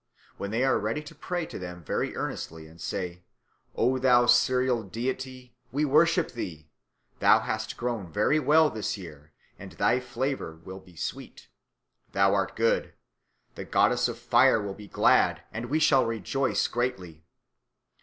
When they are ready they pray to them very earnestly and say: 'O thou cereal deity, we worship thee. Thou hast grown very well this year, and thy flavour will be sweet. Thou art good. The goddess of fire will be glad, and we also shall rejoice greatly.